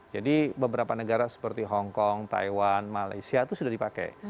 jadi beberapa negara seperti hongkong taiwan malaysia itu sudah dipakai